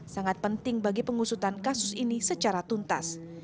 sangat penting bagi pengusutan kasus ini secara tuntas